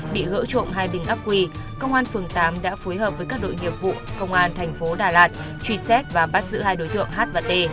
bị gỡ trộm hai bình ấp quy công an phường tám đã phối hợp với các đội nghiệp vụ công an thành phố đà lạt truy xét và bắt giữ hai đối tượng h và t